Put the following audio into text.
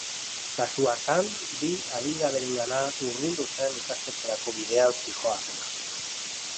Kasu hartan, bi adingaberengana hurbildu zen ikastetxerako bidean zihoazela.